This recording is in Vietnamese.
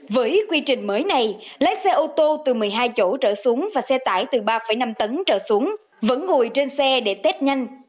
với quy trình mới này lái xe ô tô từ một mươi hai chỗ trở xuống và xe tải từ ba năm tấn trở xuống vẫn ngồi trên xe để tết nhanh